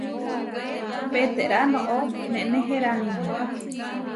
Peterá noʼó neneheránine.